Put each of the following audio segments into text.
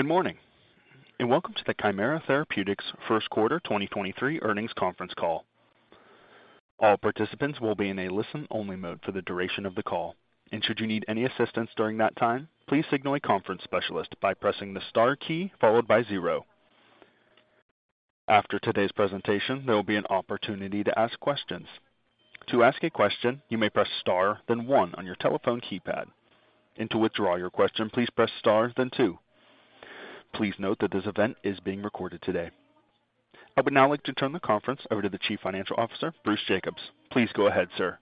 Good morning, and welcome to the Kymera Therapeutics First Quarter 2023 Earnings Conference Call. All participants will be in a listen-only mode for the duration of the call. Should you need any assistance during that time, please signal a conference specialist by pressing the star key followed by zero. After today's presentation, there will be an opportunity to ask questions. To ask a question, you may press star, then one on your telephone keypad. To withdraw your question, please press star then two. Please note that this event is being recorded today. I would now like to turn the conference over to the Chief Financial Officer, Bruce Jacobs. Please go ahead, sir.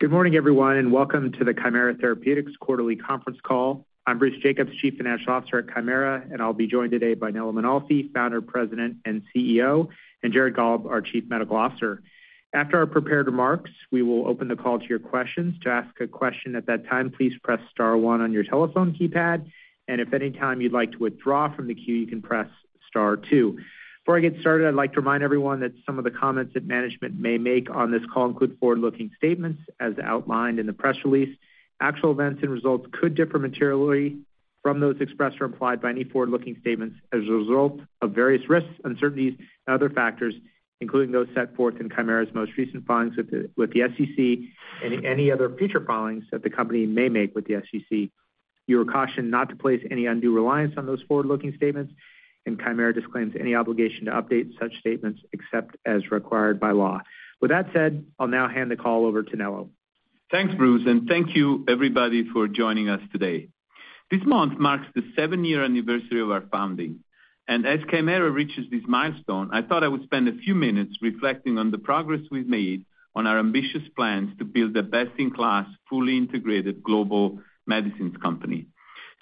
Good morning, everyone, welcome to the Kymera Therapeutics quarterly conference call. I'm Bruce Jacobs, Chief Financial Officer at Kymera. I'll be joined today by Nello Mainolfi, Founder, President, and CEO, and Jared Gollob, our Chief Medical Officer. After our prepared remarks, we will open the call to your questions. To ask a question at that time, please press star one on your telephone keypad. If at any time you'd like to withdraw from the queue, you can press star two. Before I get started, I'd like to remind everyone that some of the comments that management may make on this call include forward-looking statements as outlined in the press release. Actual events and results could differ materially from those expressed or implied by any forward-looking statements as a result of various risks, uncertainties, and other factors, including those set forth in Kymera's most recent filings with the SEC and any other future filings that the company may make with the SEC. You are cautioned not to place any undue reliance on those forward-looking statements. Kymera disclaims any obligation to update such statements except as required by law. With that said, I'll now hand the call over to Nello. Thanks, Bruce, and thank you everybody for joining us today. This month marks the seven-year anniversary of our founding. As Kymera reaches this milestone, I thought I would spend a few minutes reflecting on the progress we've made on our ambitious plans to build a best-in-class, fully integrated global medicines company.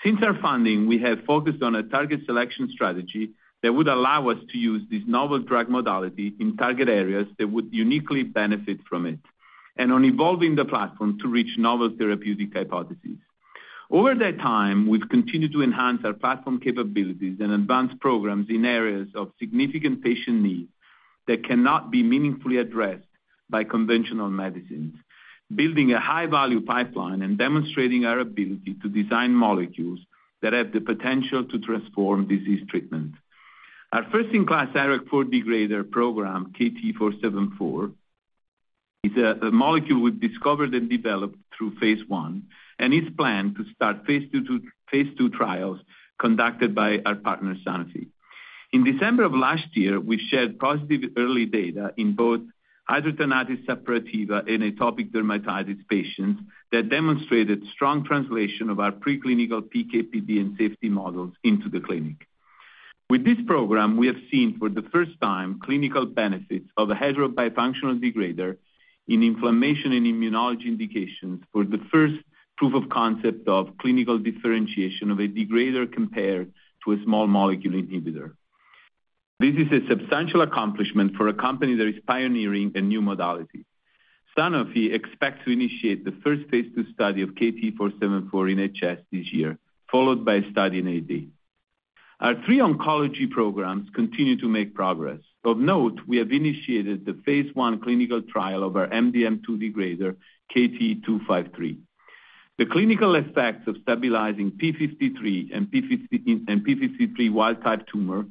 Since our founding, we have focused on a target selection strategy that would allow us to use this novel drug modality in target areas that would uniquely benefit from it, and on evolving the platform to reach novel therapeutic hypotheses. Over that time, we've continued to enhance our platform capabilities and advanced programs in areas of significant patient need that cannot be meaningfully addressed by conventional medicines, building a high-value pipeline and demonstrating our ability to design molecules that have the potential to transform disease treatment. Our first-in-class IRAK4 degrader program, KT-474, is a molecule we've discovered and developed through phase I. It's planned to start phase II trials conducted by our partner, Sanofi. In December of last year, we shared positive early data in both hidradenitis suppurativa and atopic dermatitis patients that demonstrated strong translation of our preclinical PK/PD and safety models into the clinic. With this program, we have seen for the first time clinical benefits of a heterobifunctional degrader in inflammation and immunology indications for the first proof of concept of clinical differentiation of a degrader compared to a small molecule inhibitor. This is a substantial accomplishment for a company that is pioneering a new modality. Sanofi expects to initiate the first phase II study of KT-474 in HS this year, followed by a study in AD. Our 3 oncology programs continue to make progress. Of note, we have initiated the phase I clinical trial of our MDM2 degrader, KT-253. The clinical effects of stabilizing p53 and p53 wild type tumor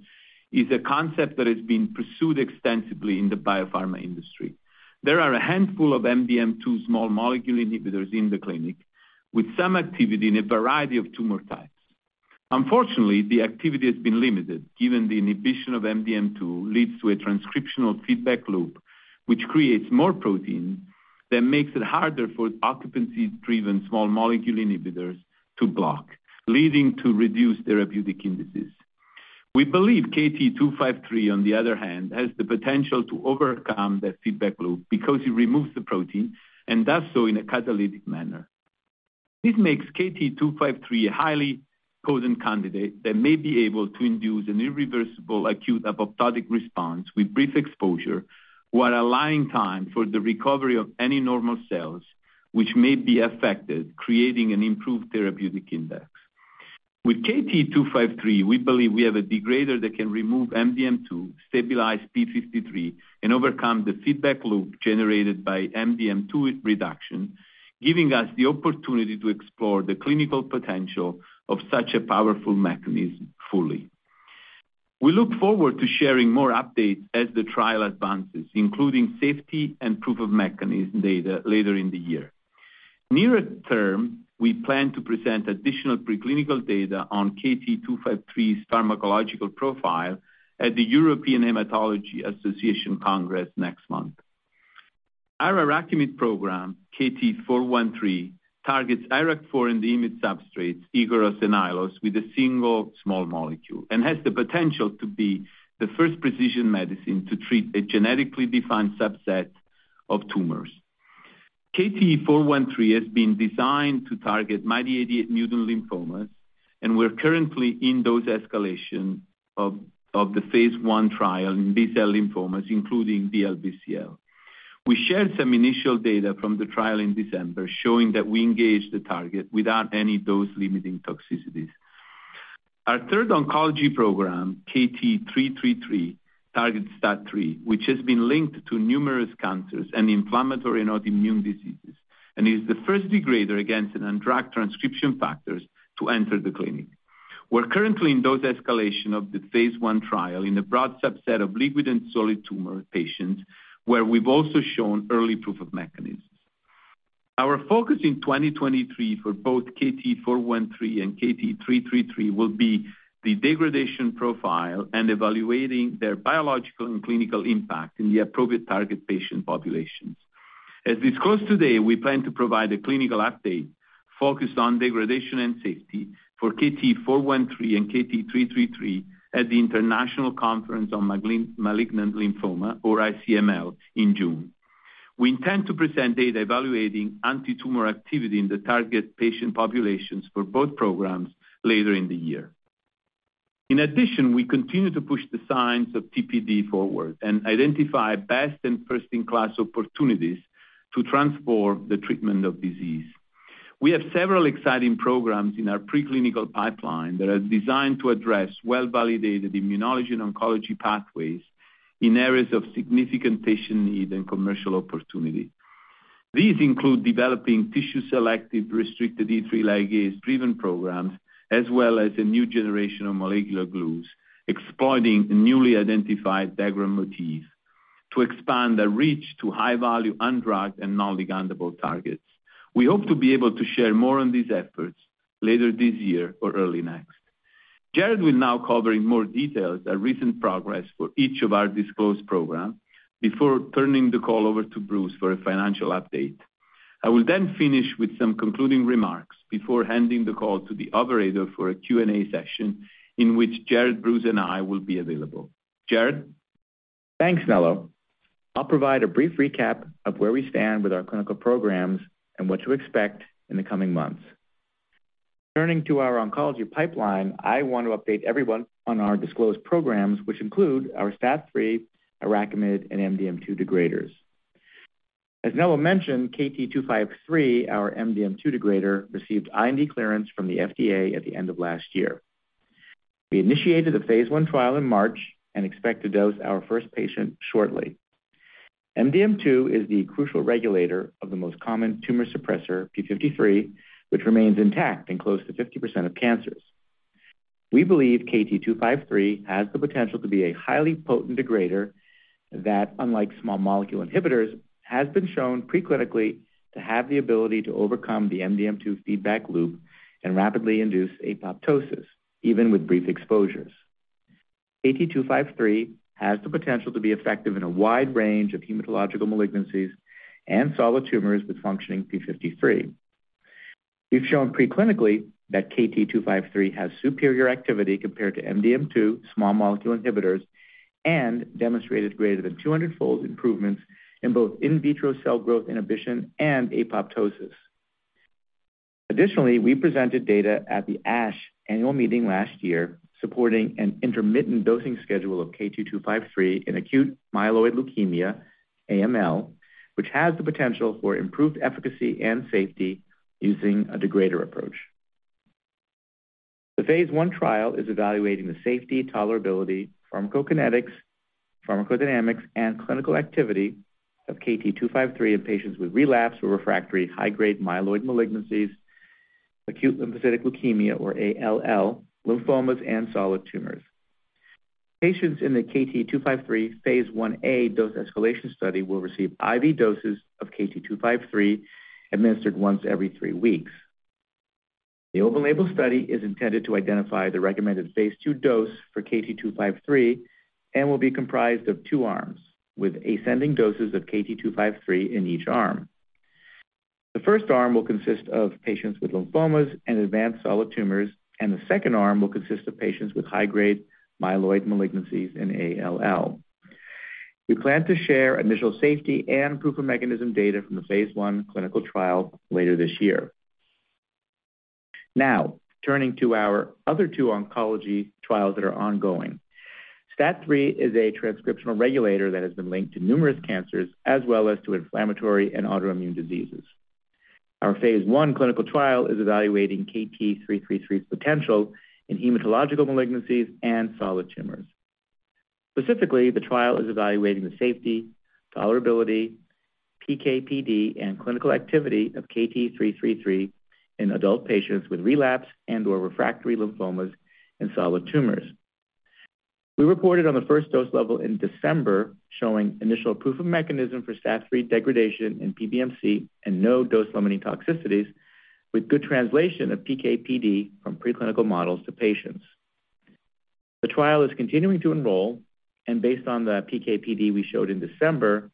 is a concept that has been pursued extensively in the biopharma industry. There are a handful of MDM2 small molecule inhibitors in the clinic, with some activity in a variety of tumor types. Unfortunately, the activity has been limited given the inhibition of MDM2 leads to a transcriptional feedback loop, which creates more protein that makes it harder for occupancy-driven small molecule inhibitors to block, leading to reduced therapeutic indices. We believe KT-253, on the other hand, has the potential to overcome that feedback loop because it removes the protein and does so in a catalytic manner. This makes KT-253 a highly potent candidate that may be able to induce an irreversible acute apoptotic response with brief exposure while allowing time for the recovery of any normal cells which may be affected, creating an improved therapeutic index. With KT-253, we believe we have a degrader that can remove MDM2, stabilize p53, and overcome the feedback loop generated by MDM2 reduction, giving us the opportunity to explore the clinical potential of such a powerful mechanism fully. We look forward to sharing more updates as the trial advances, including safety and proof of mechanism data later in the year. Nearer term, we plan to present additional preclinical data on KT-253's pharmacological profile at the European Hematology Association Congress next month. Our IRAKIMiD program, KT-413, targets IRAK4 and the IMiD substrates Ikaros and Aiolos with a single small molecule and has the potential to be the first precision medicine to treat a genetically defined subset of tumors. KT-413 has been designed to target MYD88 mutant lymphomas. We're currently in dose escalation of the phase I trial in B-cell lymphomas, including DLBCL. We shared some initial data from the trial in December showing that we engaged the target without any dose-limiting toxicities. Our third oncology program, KT-333 targets STAT3, which has been linked to numerous cancers and inflammatory and autoimmune diseases, is the first degrader against undrugged transcription factors to enter the clinic. We're currently in dose escalation of the phase I trial in a broad subset of liquid and solid tumor patients, where we've also shown early proof of mechanisms. Our focus in 2023 for both KT-413 and KT-333 will be the degradation profile and evaluating their biological and clinical impact in the appropriate target patient populations. As discussed today, we plan to provide a clinical update focused on degradation and safety for KT-413 and KT-333 at the International Conference on Malignant Lymphoma, or ICML, in June. We intend to present data evaluating antitumor activity in the target patient populations for both programs later in the year. In addition, we continue to push the science of TPD forward and identify best and first-in-class opportunities to transform the treatment of disease. We have several exciting programs in our preclinical pipeline that are designed to address well-validated immunology and oncology pathways in areas of significant patient need and commercial opportunity. These include developing tissue selective restricted E3 ligase driven programs, as well as a new generation of molecular glues, exploiting newly identified degron motifs to expand the reach to high-value undrugged and non-ligandable targets. We hope to be able to share more on these efforts later this year or early next. Jared will now cover in more details our recent progress for each of our disclosed programs before turning the call over to Bruce for a financial update. I will then finish with some concluding remarks before handing the call to the operator for a Q&A session in which Jared, Bruce and I will be available. Jared. Thanks, Nello. I'll provide a brief recap of where we stand with our clinical programs and what to expect in the coming months. Turning to our oncology pipeline, I want to update everyone on our disclosed programs, which include our STAT3, IRAKIMiD, and MDM2 degraders. As Nello mentioned, KT-253, our MDM2 degrader, received IND clearance from the FDA at the end of last year. We initiated a phase I trial in March and expect to dose our first patient shortly. MDM2 is the crucial regulator of the most common tumor suppressor, p53, which remains intact in close to 50% of cancers. We believe KT-253 has the potential to be a highly potent degrader that, unlike small molecule inhibitors, has been shown pre-clinically to have the ability to overcome the MDM2 feedback loop and rapidly induce apoptosis, even with brief exposures. KT-253 has the potential to be effective in a wide range of hematological malignancies and solid tumors with functioning p53. We've shown preclinically that KT-253 has superior activity compared to MDM2 small molecule inhibitors and demonstrated greater than 200-fold improvements in both in vitro cell growth inhibition and apoptosis. We presented data at the ASH annual meeting last year supporting an intermittent dosing schedule of KT-253 in acute myeloid leukemia, AML, which has the potential for improved efficacy and safety using a degrader approach. The phase I trial is evaluating the safety, tolerability, pharmacokinetics, pharmacodynamics, and clinical activity of KT-253 in patients with relapse or refractory high-grade myeloid malignancies, acute lymphocytic leukemia, or ALL, lymphomas, and solid tumors. Patients in the phase I-A dose escalation study will receive IV doses of KT-253 administered once every 3 weeks. The open label study is intended to identify the recommended phase II dose for KT-253 and will be comprised of two arms with ascending doses of KT-253 in each arm. The first arm will consist of patients with lymphomas and advanced solid tumors, and the second arm will consist of patients with high-grade myeloid malignancies and ALL. We plan to share initial safety and proof of mechanism data from the phase I clinical trial later this year. Turning to our other two oncology trials that are ongoing. STAT3 is a transcriptional regulator that has been linked to numerous cancers as well as to inflammatory and autoimmune diseases. Our phase I clinical trial is evaluating KT-333's potential in hematological malignancies and solid tumors. Specifically, the trial is evaluating the safety, tolerability, PK/PD, and clinical activity of KT-333 in adult patients with relapse and/or refractory lymphomas and solid tumors. We reported on the first dose level in December, showing initial proof of mechanism for STAT3 degradation in PBMC and no dose limiting toxicities with good translation of PK/PD from preclinical models to patients. Based on the PK/PD we showed in December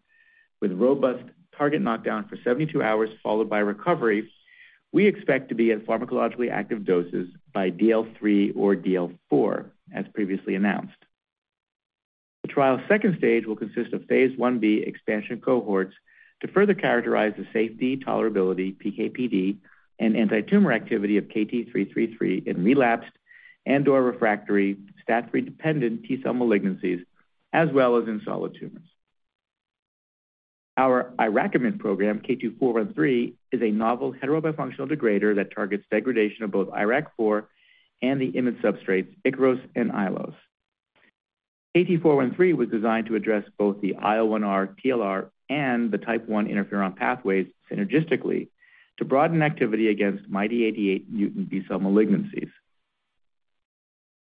with robust target knockdown for 72 hours followed by recovery, we expect to be at pharmacologically active doses by DL 3 or DL 4, as previously announced. The trial's second stage will consist phase I-B expansion cohorts to further characterize the safety, tolerability, PK/PD, and antitumor activity of KT-333 in relapsed and/or refractory STAT3-dependent T-cell malignancies as well as in solid tumors. Our IRAKIMiD program, KT-413, is a novel heterobifunctional degrader that targets degradation of both IRAK4 and the IMiD substrates, Ikaros and Aiolos. KT-413 was designed to address both the IL-1R/TLR and the type 1 interferon pathways synergistically to broaden activity against MYD88 mutant B-cell malignancies.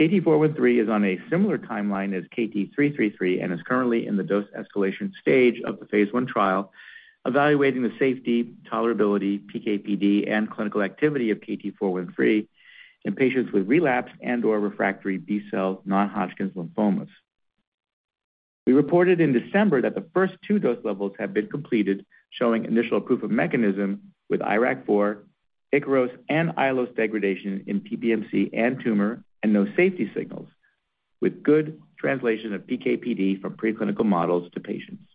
KT-413 is on a similar timeline as KT-333 and is currently in the dose escalation stage of the phase I trial, evaluating the safety, tolerability, PK/PD, and clinical activity of KT-413 in patients with relapsed and/or refractory B-cell non-Hodgkin's lymphomas. We reported in December that the first two dose levels have been completed, showing initial proof of mechanism with IRAK4, Ikaros, and Aiolos degradation in PBMC and tumor and no safety signals, with good translation of PK/PD from pre-clinical models to patients.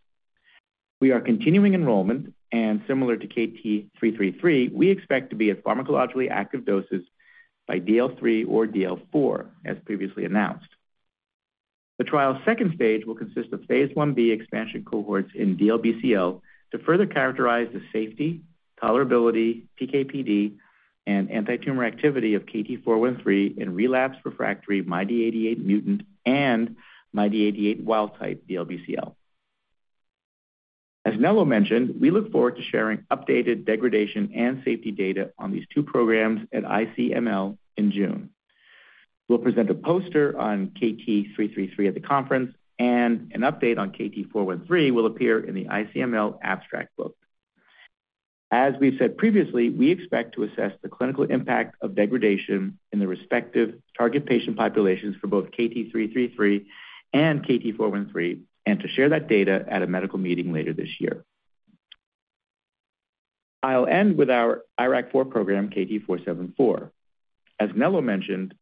We are continuing enrollment, similar to KT-333, we expect to be at pharmacologically active doses by DL3 or DL4, as previously announced. The trial's second stage will consist phase I-B expansion cohorts in DLBCL to further characterize the safety, tolerability, PK/PD, and antitumor activity of KT-413 in relapse refractory MYD88 mutant and MYD88 wild-type DLBCL. As Nello mentioned, we look forward to sharing updated degradation and safety data on these two programs at ICML in June. We'll present a poster on KT-333 at the conference, an update on KT-413 will appear in the ICML abstract book. As we've said previously, we expect to assess the clinical impact of degradation in the respective target patient populations for both KT-333 and KT-413, and to share that data at a medical meeting later this year. I'll end with our IRAK4 program, KT-474. As Nello mentioned,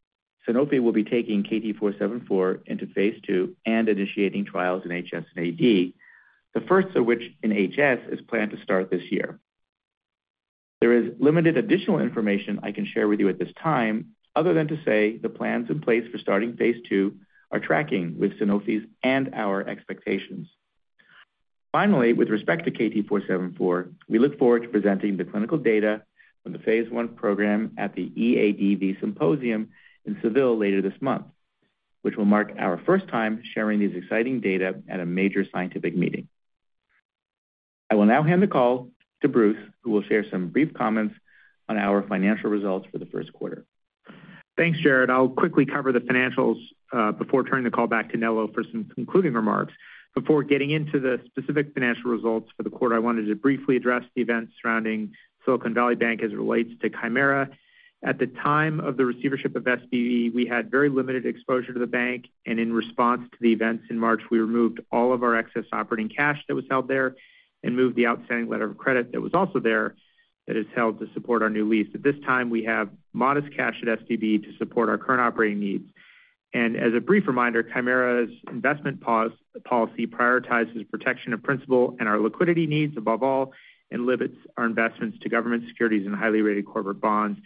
Sanofi will be taking KT-474 into phase II and initiating trials in HS and AD, the first of which in HS is planned to start this year. There is limited additional information I can share with you at this time other than to say the plans in place for starting phase II are tracking with Sanofi's and our expectations. With respect to KT-474, we look forward to presenting the clinical data from the phase I program at the EADV Symposium in Seville later this month, which will mark our first time sharing these exciting data at a major scientific meeting. I will now hand the call to Bruce, who will share some brief comments on our financial results for the first quarter. Thanks, Jared. I'll quickly cover the financials, before turning the call back to Nello for some concluding remarks. Before getting into the specific financial results for the quarter, I wanted to briefly address the events surrounding Silicon Valley Bank as it relates to Kymera. At the time of the receivership of SVB, we had very limited exposure to the bank, and in response to the events in March, we removed all of our excess operating cash that was held there and moved the outstanding letter of credit that was also there that is held to support our new lease. At this time, we have modest cash at SVB to support our current operating needs. As a brief reminder, Kymera's investment policy prioritizes protection of principal and our liquidity needs above all and limits our investments to government securities and highly rated corporate bonds.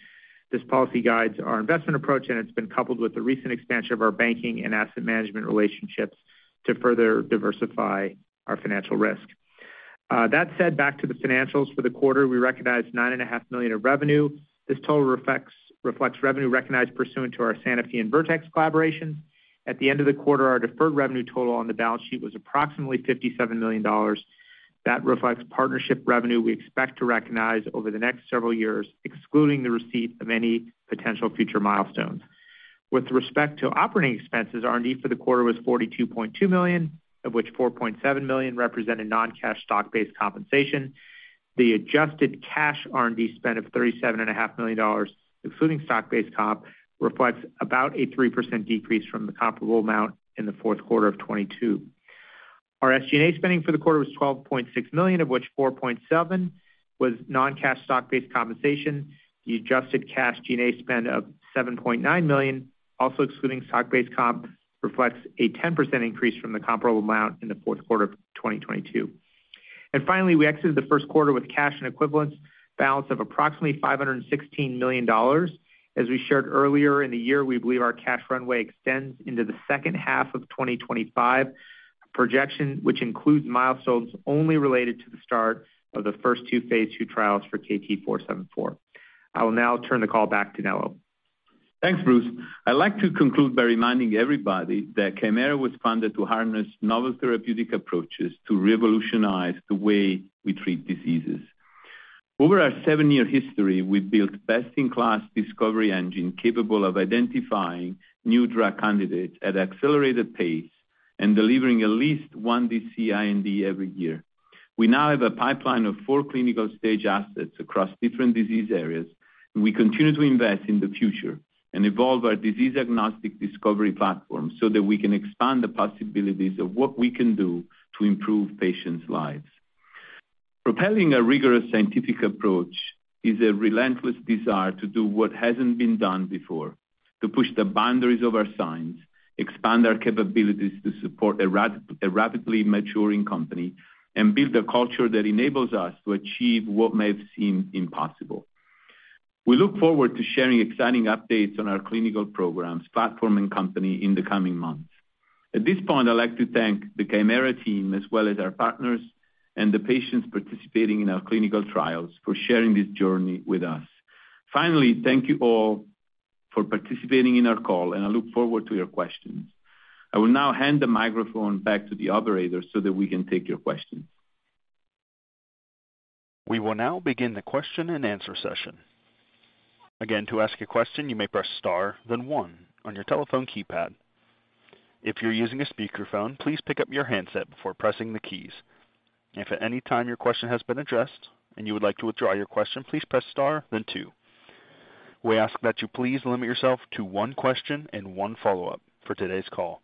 This policy guides our investment approach. It's been coupled with the recent expansion of our banking and asset management relationships to further diversify our financial risk. That said, back to the financials for the quarter. We recognized nine and a half million of revenue. This total reflects revenue recognized pursuant to our Sanofi and Vertex collaboration. At the end of the quarter, our deferred revenue total on the balance sheet was approximately $57 million. That reflects partnership revenue we expect to recognize over the next several years, excluding the receipt of any potential future milestones. With respect to operating expenses, R&D for the quarter was $42.2 million, of which $4.7 million represented non-cash stock-based compensation. The adjusted cash R&D spend of $37.5 million, excluding stock-based comp, reflects about a 3% decrease from the comparable amount in the fourth quarter of 2022. Our SG&A spending for the quarter was $12.6 million, of which $4.7 was non-cash stock-based compensation. The Adjusted Cash G&A spend of $7.9 million, also excluding stock-based comp, reflects a 10% increase from the comparable amount in the fourth quarter of 2022. Finally, we exited the first quarter with cash and equivalents balance of approximately $516 million. As we shared earlier in the year, we believe our cash runway extends into the second half of 2025, a projection which includes milestones only related to the start of the first two phase II trials for KT-474. I will now turn the call back to Nello. Thanks, Bruce. I'd like to conclude by reminding everybody that Kymera was founded to harness novel therapeutic approaches to revolutionize the way we treat diseases. Over our 7-year history, we've built best-in-class discovery engine capable of identifying new drug candidates at accelerated pace and delivering at least 1 de novo IND every year. We now have a pipeline of four clinical-stage assets across different disease areas, we continue to invest in the future and evolve our disease-agnostic discovery platform so that we can expand the possibilities of what we can do to improve patients' lives. Propelling a rigorous scientific approach is a relentless desire to do what hasn't been done before, to push the boundaries of our science, expand our capabilities to support a rapidly maturing company, and build a culture that enables us to achieve what may have seemed impossible. We look forward to sharing exciting updates on our clinical programs, platform, and company in the coming months. At this point, I'd like to thank the Kymera team as well as our partners and the patients participating in our clinical trials for sharing this journey with us. Finally, thank you all for participating in our call, and I look forward to your questions. I will now hand the microphone back to the operator so that we can take your questions. We will now begin the question-and-answer session. Again, to ask a question, you may press star then one on your telephone keypad. If you're using a speakerphone, please pick up your handset before pressing the keys. If at any time your question has been addressed and you would like to withdraw your question, please press star then two. We ask that you please limit yourself to one question and one follow-up for today's call.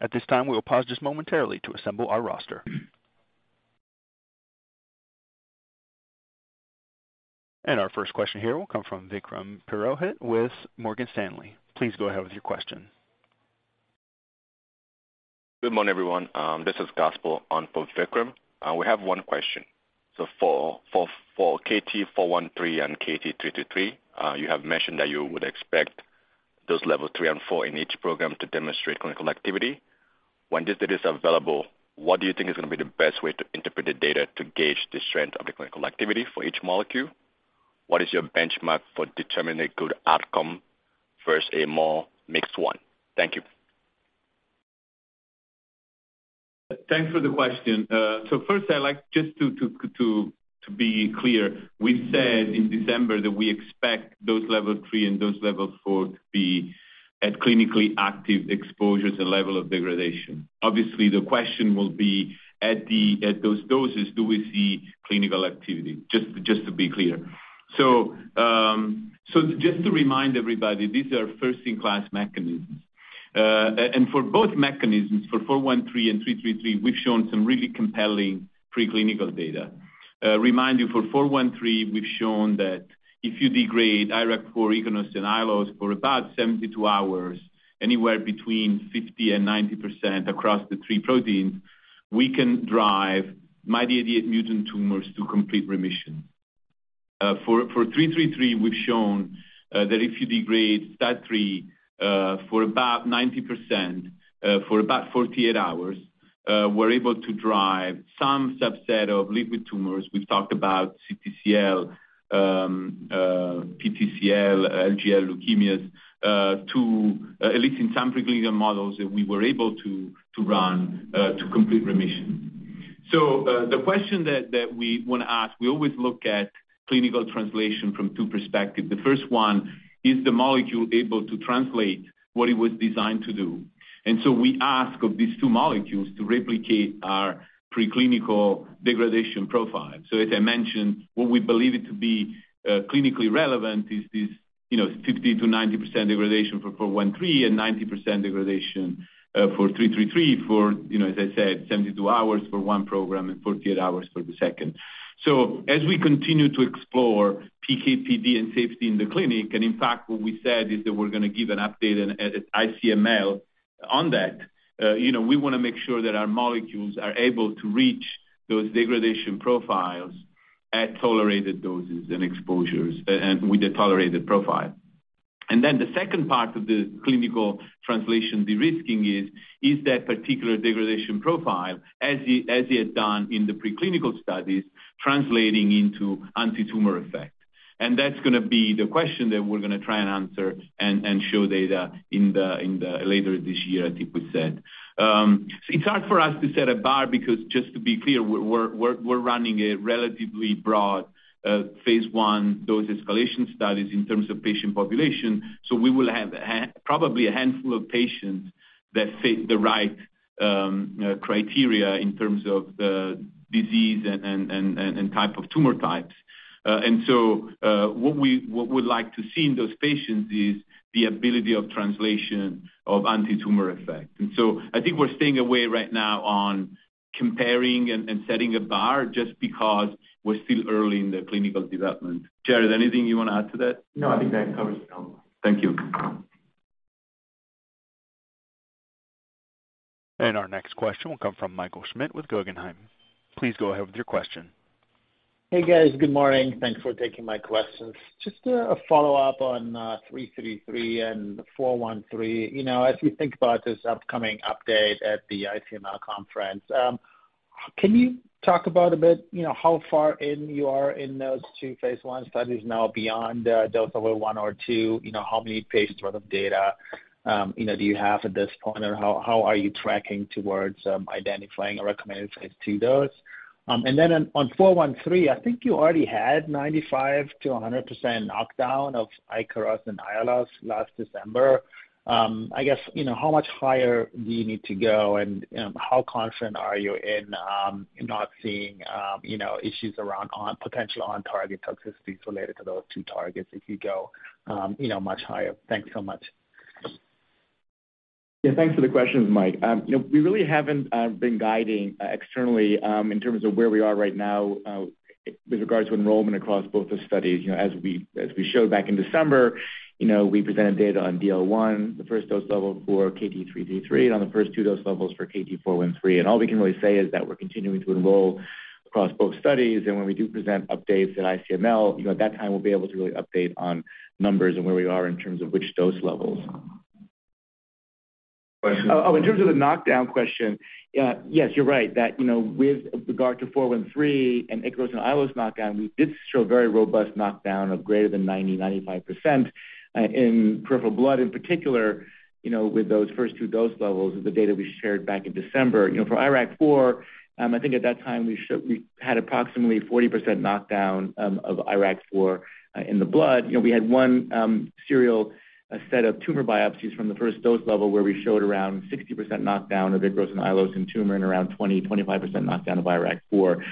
At this time, we will pause just momentarily to assemble our roster. Our first question here will come from Vikram Purohit with Morgan Stanley. Please go ahead with your question. Good morning, everyone. This is Gospel on for Vikram. We have one question. For KT-413 and KT-333, you have mentioned that you would expect Dose Level 3 and 4 in each program to demonstrate clinical activity. When this data is available, what do you think is gonna be the best way to interpret the data to gauge the strength of the clinical activity for each molecule? What is your benchmark for determining a good outcome versus a more mixed one? Thank you. Thanks for the question. First, I like just to be clear, we said in December that we expect Dose Level 3 and Dose Level 4 to be at clinically active exposures and level of degradation. Obviously, the question will be, at those doses, do we see clinical activity? Just to be clear. Just to remind everybody, these are first-in-class mechanisms. For both mechanisms, for KT-413 and KT-333, we've shown some really compelling preclinical data. Remind you, for KT-413, we've shown that if you degrade IRAK4, Ikaros, and Aiolos for about 72 hours, anywhere between 50% and 90% across the 3 proteins, we can drive MYD88 mutant tumors to complete remission. For KT-333, we've shown that if you degrade STAT3 for about 90%, for about 48 hours, we're able to drive some subset of liquid tumors. We've talked about CTCL, PTCL, LGL leukemias, to at least in some preclinical models that we were able to run to complete remission. The question that we wanna ask, we always look at clinical translation from two perspectives. The first one, is the molecule able to translate what it was designed to do? We ask of these two molecules to replicate our preclinical degradation profile. As I mentioned, what we believe it to be clinically relevant is this, you know, 50%-90% degradation for KT-413 and 90% degradation for KT-333 for, you know, as I said, 72 hours for one program and 48 hours for the second. As we continue to explore PK/PD and safety in the clinic, and in fact, what we said is that we're gonna give an update at ICML on that. you know, we wanna make sure that our molecules are able to reach those degradation profiles at tolerated doses and exposures and with a tolerated profile. Then the second part of the clinical translation de-risking is that particular degradation profile as it had done in the preclinical studies translating into antitumor effect? That's gonna be the question that we're gonna try and answer and show data later this year, I think we said. It's hard for us to set a bar because just to be clear, we're running a relatively broad, phase I dose escalation studies in terms of patient population. We will have probably a handful of patients that fit the right criteria in terms of the disease and type of tumor types. What we'd like to see in those patients is the ability of translation of antitumor effect. I think we're staying away right now on comparing and setting a bar just because we're still early in the clinical development. Jared, anything you wanna add to that? No, I think that covers it well. Thank you. Our next question will come from Michael Schmidt with Guggenheim. Please go ahead with your question. Hey, guys. Good morning. Thanks for taking my questions. Just a follow-up on KT-333 and KT-413. You know, as we think about this upcoming update at the ICML conference, can you talk about a bit, you know, how far in you are in those two phase I studies now beyond dose number 1 or 2? You know, how many patients worth of data, you know, do you have at this point? Or how are you tracking towards identifying a recommended phase II dose? And then on KT-413, I think you already had 95%-100% knockdown of Ikaros and Aiolos last December. I guess, you know, how much higher do you need to go, and, how confident are you in, not seeing, you know, issues around on potential on-target toxicities related to those two targets if you go, you know, much higher? Thank you so much. Yeah. Thanks for the questions, Mike. You know, we really haven't been guiding externally in terms of where we are right now with regards to enrollment across both the studies. You know, as we, as we showed back in December, you know, we presented data on DL 1, the first dose level for KT-333, and on the first two dose levels for KT-413. All we can really say is that we're continuing to enroll across both studies. When we do present updates at ICML, you know, at that time we'll be able to really update on numbers and where we are in terms of which dose levels. In terms of the knockdown question, yes, you're right that, you know, with regard to 413 and Ikaros and Aiolos knockdown, we did show very robust knockdown of greater than 90-95% in peripheral blood, in particular, you know, with those first 2 dose levels of the data we shared back in December. You know, for IRAK4, I think at that time we had approximately 40% knockdown of IRAK4 in the blood. You know, we had 1 serial set of tumor biopsies from the first dose level where we showed around 60% knockdown of Ikaros and Aiolos in tumor and around 20%-25% knockdown of IRAK4.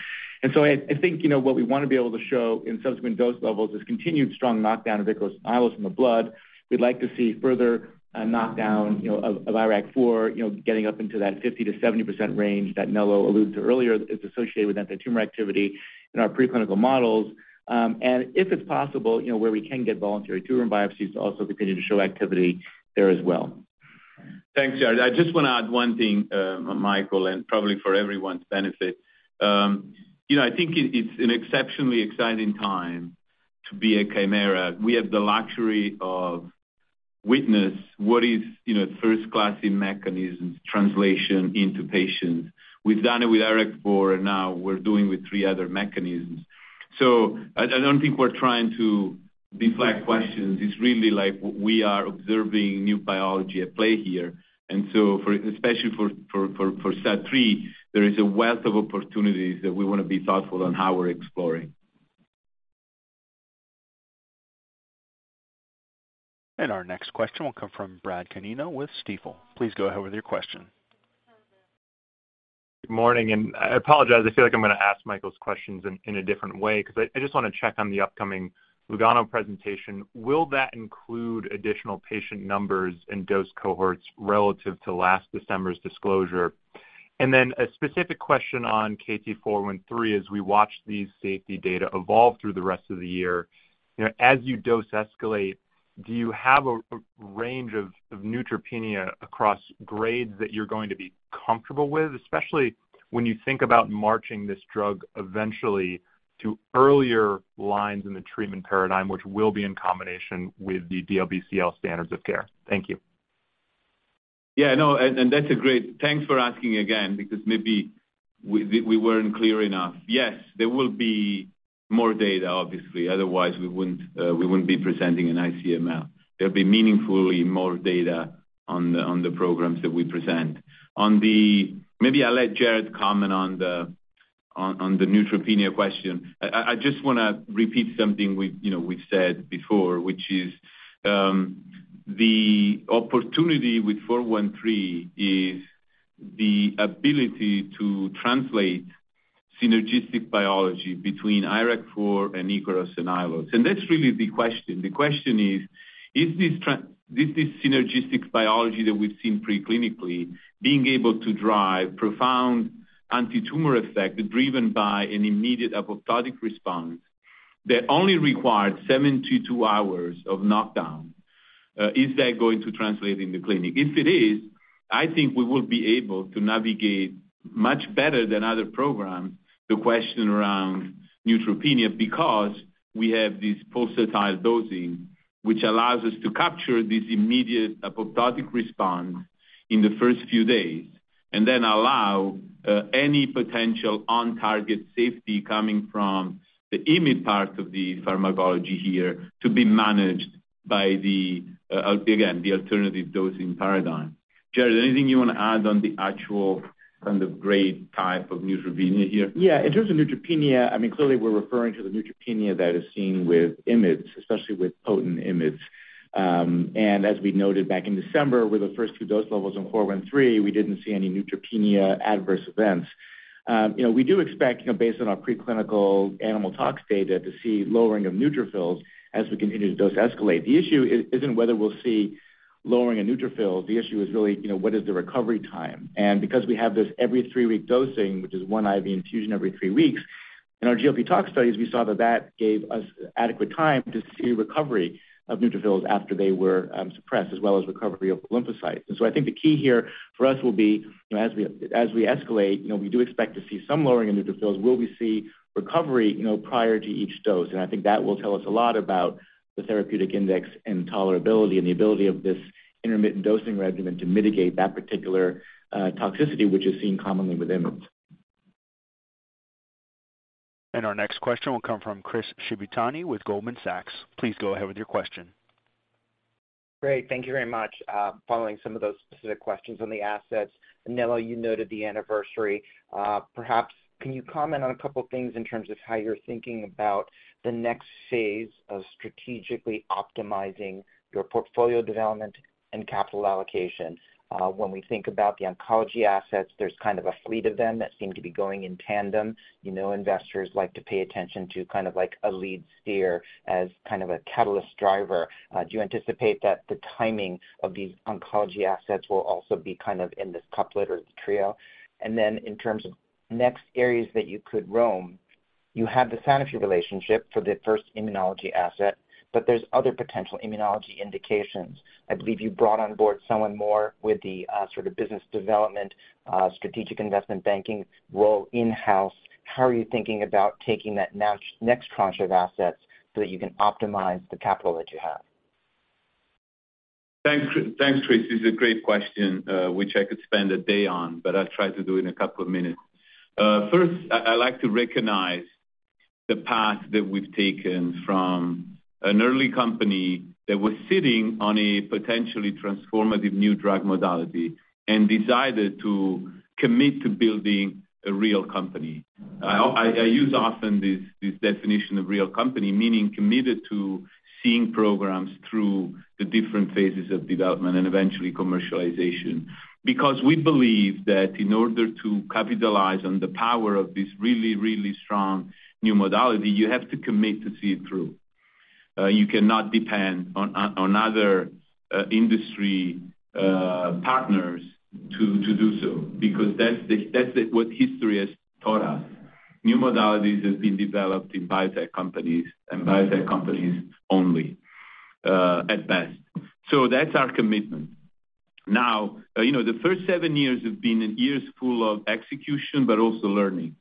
I think, you know, what we wanna be able to show in subsequent dose levels is continued strong knockdown of Ikaros and Aiolos in the blood. We'd like to see further knockdown, you know, of IRAK4, you know, getting up into that 50%-70% range that Nello alluded to earlier is associated with anti-tumor activity in our preclinical models. If it's possible, you know, where we can get voluntary tumor biopsies to also continue to show activity there as well. Thanks, Jared. I just wanna add one thing, Michael, probably for everyone's benefit. You know, I think it's an exceptionally exciting time to be at Kymera. We have the luxury of witness what is, you know, first-class in mechanisms translation into patients. We've done it with IRAK4, now we're doing with three other mechanisms. I don't think we're trying to deflect questions. It's really like we are observing new biology at play here. For, especially for STAT3, there is a wealth of opportunities that we wanna be thoughtful on how we're exploring. Our next question will come from Brad Canino with Stifel. Please go ahead with your question. Good morning, and I apologize. I feel like I'm gonna ask Michael's questions in a different way 'cause I just wanna check on the upcoming Lugano presentation. Will that include additional patient numbers and dose cohorts relative to last December's disclosure? Then a specific question on KT-413 as we watch these safety data evolve through the rest of the year. You know, as you dose escalate, do you have a range of neutropenia across grades that you're going to be comfortable with, especially when you think about marching this drug eventually to earlier lines in the treatment paradigm, which will be in combination with the DLBCL standards of care? Thank you. Thanks for asking again because maybe we weren't clear enough. Yes, there will be more data, obviously. Otherwise, we wouldn't be presenting in ICML. There'll be meaningfully more data on the programs that we present. Maybe I'll let Jared comment on the neutropenia question. I just wanna repeat something we've, you know, we've said before, which is, the opportunity with KT-413 is the ability to translate synergistic biology between IRAK4 and Ikaros and Aiolos. That's really the question. The question is this synergistic biology that we've seen preclinically being able to drive profound antitumor effect driven by an immediate apoptotic response that only required 72 hours of knockdown, is that going to translate in the clinic? If it is, I think we will be able to navigate much better than other programs the question around neutropenia because we have this pulsatile dosing, which allows us to capture this immediate apoptotic response in the first few days, and then allow any potential on target safety coming from the IMiD part of the pharmacology here to be managed by the again, the alternative dosing paradigm. Jared, anything you wanna add on the actual kind of grade type of neutropenia here? Yeah. In terms of neutropenia, I mean, clearly we're referring to the neutropenia that is seen with IMiDs, especially with potent IMiDs. As we noted back in December with the first 2 dose levels in KT-413, we didn't see any neutropenia adverse events. You know, we do expect, you know, based on our preclinical animal tox data to see lowering of neutrophils as we continue to dose escalate. The issue is, isn't whether we'll see lowering of neutrophils, the issue is really, you know, what is the recovery time. Because we have this every 3-week dosing, which is 1 IV infusion every 3 weeks, in our GLP toxicology studies, we saw that that gave us adequate time to see recovery of neutrophils after they were suppressed, as well as recovery of lymphocytes. I think the key here for us will be, you know, as we escalate, you know, we do expect to see some lowering in neutrophils. Will we see recovery, you know, prior to each dose? I think that will tell us a lot about the therapeutic index and tolerability and the ability of this intermittent dosing regimen to mitigate that particular toxicity, which is seen commonly with IMiDs. Our next question will come from Chris Shibutani with Goldman Sachs. Please go ahead with your question. Great. Thank you very much. Following some of those specific questions on the assets, Nello, you noted the anniversary. Perhaps can you comment on a couple things in terms of how you're thinking about the next phase of strategically optimizing your portfolio development and capital allocation? When we think about the oncology assets, there's kind of a fleet of them that seem to be going in tandem. You know, investors like to pay attention to kind of like a lead steer as kind of a catalyst driver. Do you anticipate that the timing of these oncology assets will also be kind of in this couplet or trio? In terms of next areas that you could roam, you have the Sanofi relationship for the first immunology asset, but there's other potential immunology indications. I believe you brought on board someone more with the sort of business development, strategic investment banking role in-house. How are you thinking about taking that next tranche of assets so that you can optimize the capital that you have? Thanks, Chris. This is a great question, which I could spend a day on, but I'll try to do in a couple of minutes. First, I like to recognize the path that we've taken from an early company that was sitting on a potentially transformative new drug modality and decided to commit to building a real company. I use often this definition of real company, meaning committed to seeing programs through the different phases of development and eventually commercialization. Because we believe that in order to capitalize on the power of this really, really strong new modality, you have to commit to see it through. You cannot depend on other industry partners to do so, because that's what history has taught us. New modalities have been developed in biotech companies and biotech companies only, at best. That's our commitment. Now, you know, the first seven years have been years full of execution, but also learning.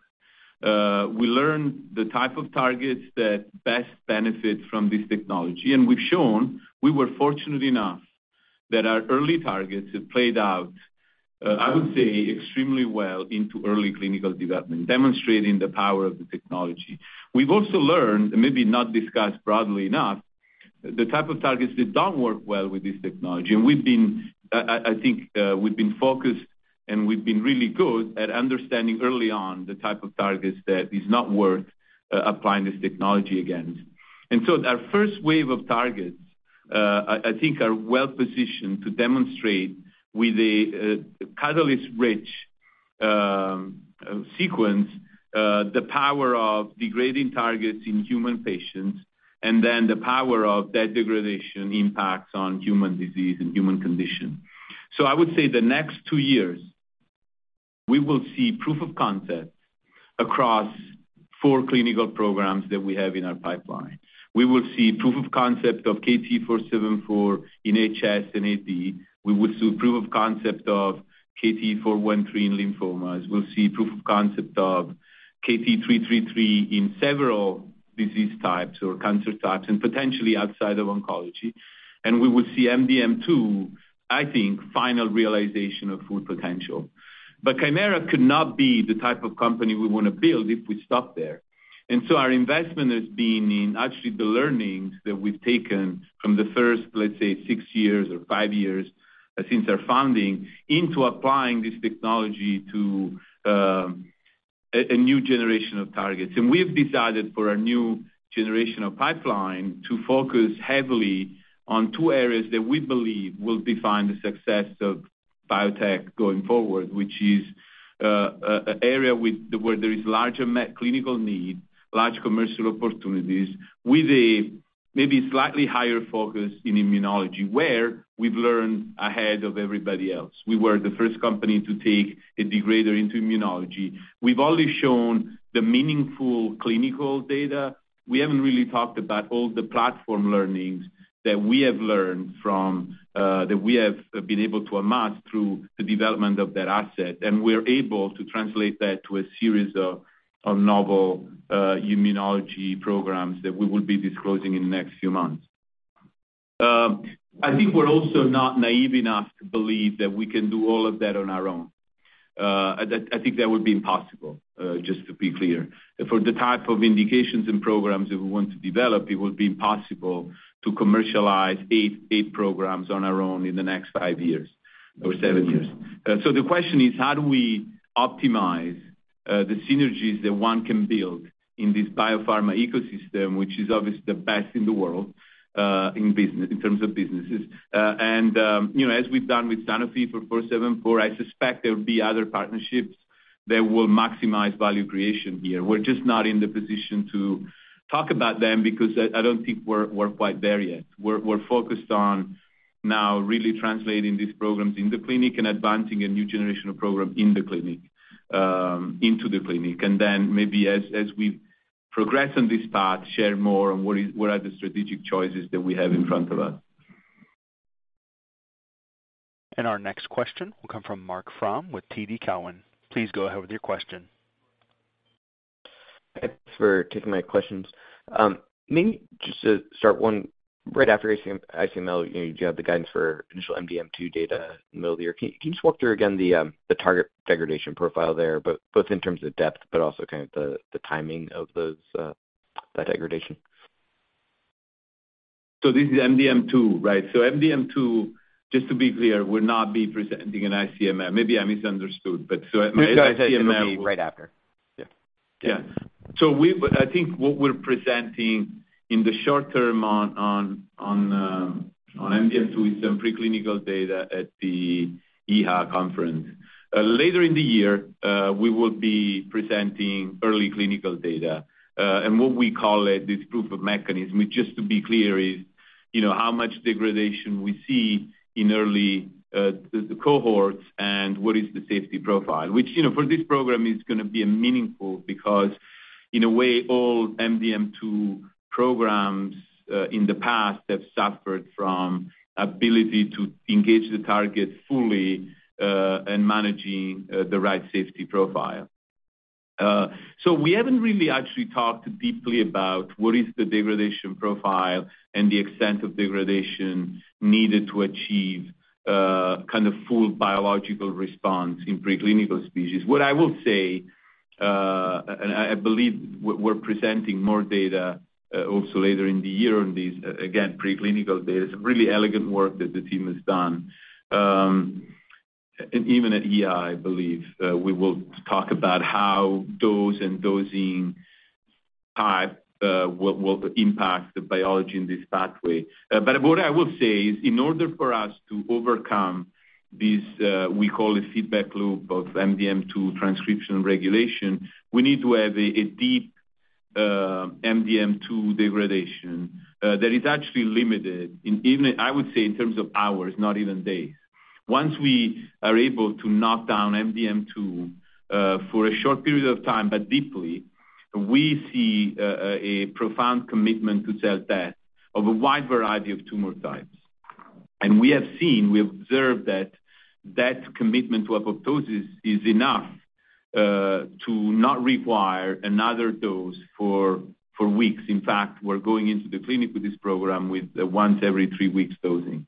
We learned the type of targets that best benefit from this technology, and we've shown we were fortunate enough that our early targets have played out, I would say extremely well into early clinical development, demonstrating the power of the technology. We've also learned, maybe not discussed broadly enough, the type of targets that don't work well with this technology. We've been, I think, we've been focused and we've been really good at understanding early on the type of targets that is not worth applying this technology against. Our first wave of targets, I think are well-positioned to demonstrate with a catalyst-rich sequence, the power of degrading targets in human patients, and then the power of that degradation impacts on human disease and human condition. I would say the next two years, we will see proof of concept across four clinical programs that we have in our pipeline. We will see proof of concept of KT-474 in HS and AD. We will see proof of concept of KT-413 in lymphomas. We'll see proof of concept of KT-333 in several disease types or cancer types and potentially outside of oncology. We will see MDM2, I think, final realization of full potential. Kymera could not be the type of company we wanna build if we stop there. Our investment has been in actually the learnings that we've taken from the first, let's say, 6 years or 5 years since our founding into applying this technology to a new generation of targets. We've decided for a new generation of pipeline to focus heavily on two areas that we believe will define the success of biotech going forward, which is an area where there is larger met clinical need, large commercial opportunities with a maybe slightly higher focus in immunology, where we've learned ahead of everybody else. We were the first company to take a degrader into immunology. We've only shown the meaningful clinical data. We haven't really talked about all the platform learnings that we have learned from that we have been able to amass through the development of that asset. We're able to translate that to a series of novel immunology programs that we will be disclosing in the next few months. I think we're also not naive enough to believe that we can do all of that on our own. I think that would be impossible, just to be clear. For the type of indications and programs that we want to develop, it would be impossible to commercialize 8 programs on our own in the next 5 years or 7 years. The question is, how do we optimize the synergies that one can build in this biopharma ecosystem, which is obviously the best in the world, in business, in terms of businesses. You know, as we've done with Sanofi for 474, I suspect there will be other partnerships that will maximize value creation here. We're just not in the position to talk about them because I don't think we're quite there yet. We're focused on now really translating these programs in the clinic and advancing a new generation of program in the clinic, into the clinic. Maybe as we progress on this path, share more on what are the strategic choices that we have in front of us. Our next question will come from Marc Frahm with TD Cowen. Please go ahead with your question. Thanks for taking my questions. Maybe just to start one right after ICML, you know, you have the guidance for initial MDM2 data in the middle of the year. Can you just walk through again the target degradation profile there, both in terms of depth, but also kind of the timing of those that degradation? This is MDM2, right? MDM2, just to be clear, will not be presenting an ICML. Maybe I misunderstood. No, I said it will be right after. Yeah. Yeah. I think what we're presenting in the short term on, on MDM2 is some pre-clinical data at the EHA conference. Later in the year, we will be presenting early clinical data, and what we call it, this proof of mechanism, just to be clear, is, you know, how much degradation we see in early, the cohorts and what is the safety profile. Which, you know, for this program is gonna be meaningful because in a way, all MDM2 programs, in the past have suffered from ability to engage the target fully, in managing, the right safety profile. We haven't really actually talked deeply about what is the degradation profile and the extent of degradation needed to achieve, kind of full biological response in preclinical species. What I will say, and I believe we're presenting more data also later in the year on these, again, preclinical data, some really elegant work that the team has done. And even at EHA, I believe, we will talk about how dose and dosing type will impact the biology in this pathway. But what I will say is in order for us to overcome this, we call a feedback loop of MDM2 transcription regulation, we need to have a deep MDM2 degradation that is actually limited in even, I would say in terms of hours, not even days. Once we are able to knock down MDM2 for a short period of time, but deeply, we see a profound commitment to cell death of a wide variety of tumor types. We have seen, we observed that that commitment to apoptosis is enough to not require another dose for weeks. In fact, we're going into the clinic with this program with a once every 3 weeks dosing.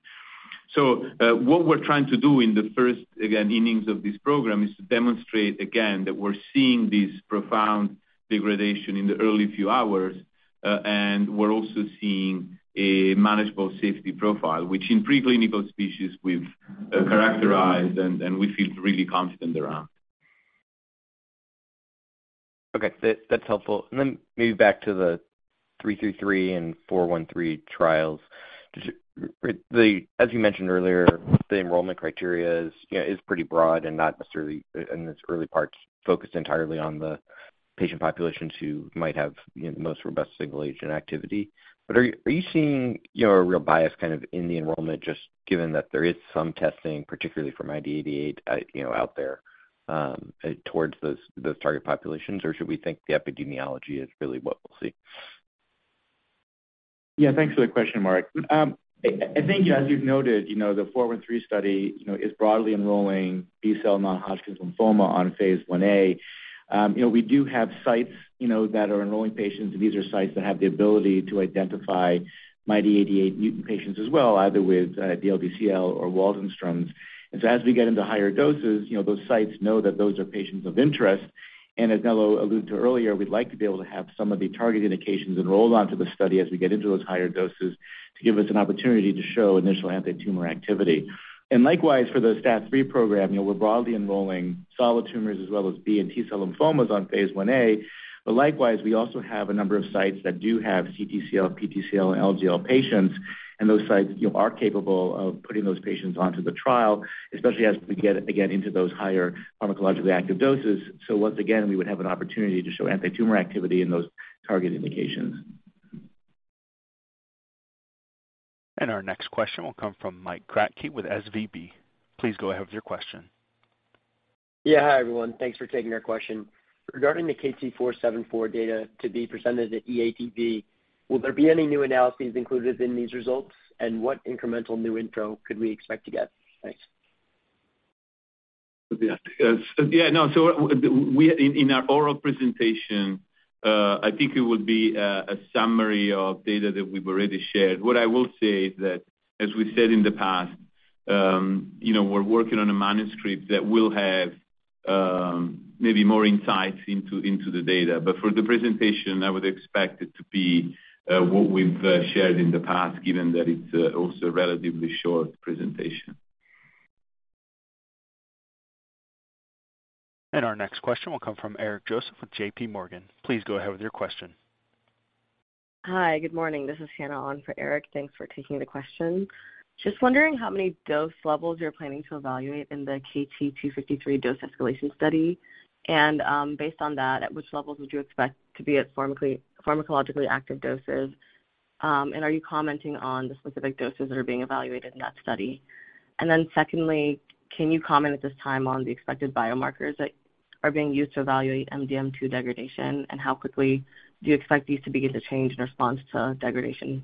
What we're trying to do in the first, again, innings of this program is to demonstrate again that we're seeing this profound degradation in the early few hours, and we're also seeing a manageable safety profile, which in preclinical species we've characterized and we feel really confident around. Okay. That's helpful. Then maybe back to the 333 and 413 trials. As you mentioned earlier, the enrollment criteria is, you know, is pretty broad and not necessarily in its early parts, focused entirely on the patient populations who might have, you know, the most robust single agent activity. Are you seeing, you know, a real bias kind of in the enrollment just given that there is some testing, particularly for MYD88, you know, out there, towards those target populations? Or should we think the epidemiology is really what we'll see? Yeah, thanks for the question, Marc. I think as you've noted, you know, the 413 study, you know, is broadly enrolling B-cell non-Hodgkin's lymphoma phase I-A. you know, we do have sites, you know, that are enrolling patients, and these are sites that have the ability to identify MYD88 mutant patients as well, either with DLBCL or Waldenstrom's. As we get into higher doses, you know, those sites know that those are patients of interest. As Nello alluded to earlier, we'd like to be able to have some of the target indications enrolled onto the study as we get into those higher doses to give us an opportunity to show initial antitumor activity. Likewise, for the STAT3 program, you know, we're broadly enrolling solid tumors as well as B-cell and T-cell lymphomas on phase I-A. Likewise, we also have a number of sites that do have CTCL, PTCL, LGL patients, and those sites, you know, are capable of putting those patients onto the trial, especially as we get, again, into those higher pharmacologically active doses. Once again, we would have an opportunity to show antitumor activity in those target indications. Our next question will come from Mike Kratky with SVB. Please go ahead with your question. Yeah. Hi, everyone. Thanks for taking our question. Regarding the KT-474 data to be presented at EADV, will there be any new analyses included in these results, and what incremental new info could we expect to get? Thanks. Yeah. Yeah, no. In our oral presentation, I think it would be a summary of data that we've already shared. What I will say is that, as we said in the past, you know, we're working on a manuscript that will have maybe more insights into the data. For the presentation, I would expect it to be what we've shared in the past, given that it's also a relatively short presentation. Our next question will come from Eric Joseph with J.P. Morgan. Please go ahead with your question. Hi. Good morning. This is Hannah on for Eric. Thanks for taking the question. Just wondering how many dose levels you're planning to evaluate in the KT-253 dose escalation study. Based on that, at which levels would you expect to be at pharmacologically active doses? Are you commenting on the specific doses that are being evaluated in that study? Secondly, can you comment at this time on the expected biomarkers that are being used to evaluate MDM2 degradation, and how quickly do you expect these to begin to change in response to degradation?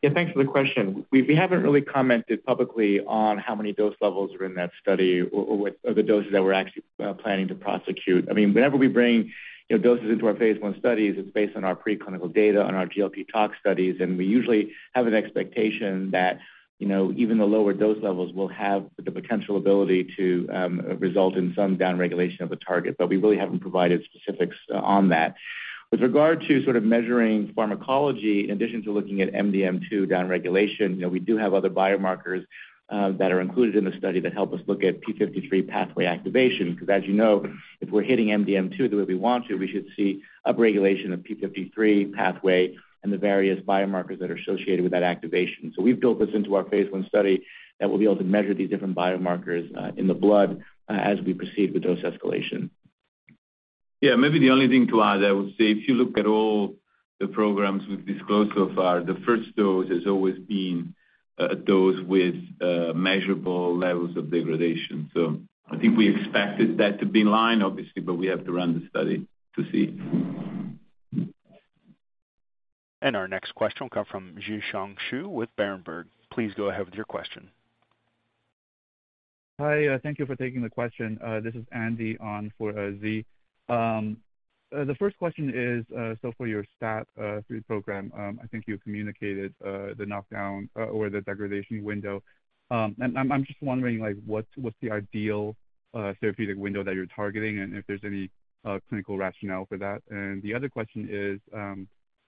Yeah, thanks for the question. We haven't really commented publicly on how many dose levels are in that study or what are the doses that we're actually planning to prosecute. I mean, whenever we bring, you know, doses into our phase I studies, it's based on our preclinical data, on our GLP toxicology studies, and we usually have an expectation that, you know, even the lower dose levels will have the potential ability to result in some downregulation of the target. We really haven't provided specifics on that. With regard to sort of measuring pharmacology, in addition to looking at MDM2 downregulation, you know, we do have other biomarkers that are included in the study that help us look at p53 pathway activation. As you know, if we're hitting MDM2 the way we want to, we should see upregulation of p53 pathway and the various biomarkers that are associated with that activation. We've built this into our phase I study that we'll be able to measure these different biomarkers in the blood as we proceed with dose escalation. Yeah. Maybe the only thing to add, I would say if you look at all the programs we've disclosed so far, the first dose has always been a dose with measurable levels of degradation. I think we expected that to be in line, obviously, but we have to run the study to see. Our next question will come from Zhiqiang Shu with Berenberg. Please go ahead with your question. Hi, thank you for taking the question. This is Andy on for Zhi. The first question is for your STAT3 program, I think you communicated the knockdown or the degradation window. I'm just wondering, like, what's the ideal therapeutic window that you're targeting, and if there's any clinical rationale for that. The other question is